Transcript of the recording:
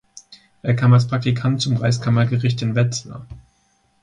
Er kam als Praktikant zum Reichskammergericht in Wetzlar.